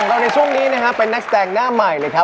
ทำหน้าที่แฟนเด็กจะมีคุณตา